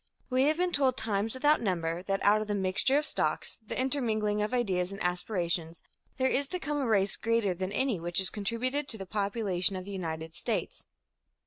We have been told times without number that out of the mixture of stocks, the intermingling of ideas and aspirations, there is to come a race greater than any which has contributed to the population of the United States.